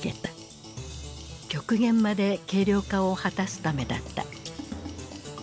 極限まで軽量化を果たすためだった。